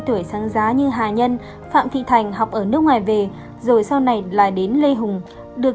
tuổi sáng giá như hà nhân phạm thị thành học ở nước ngoài về rồi sau này là đến lê hùng được